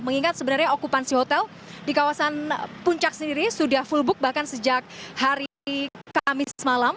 mengingat sebenarnya okupansi hotel di kawasan puncak sendiri sudah full book bahkan sejak hari kamis malam